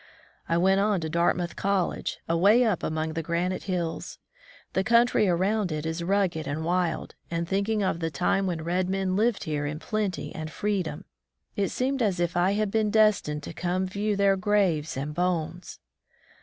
I went on to Dartmouth College, away up among the granite hills. The country around it is rugged and wild; and thinking of the time when red men lived here in plenty and freedom, it seemed as if I had been destined to come view their graves and bones.